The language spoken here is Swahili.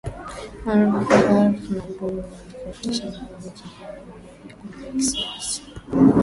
harff na gurr wanatofautisha mauaji ya kimbari na mauaji ya kundi la kisiasa